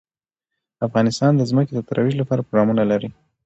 افغانستان د ځمکه د ترویج لپاره پروګرامونه لري.